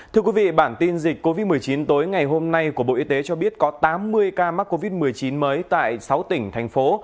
thưa quý vị bản tin dịch covid một mươi chín tối ngày hôm nay của bộ y tế cho biết có tám mươi ca mắc covid một mươi chín mới tại sáu tỉnh thành phố